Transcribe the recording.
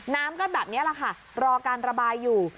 น้ำก็แบบนี้แหละค่ะรอการระบายอยู่